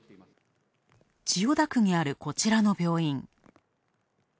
千代田区にあるこちらの病院。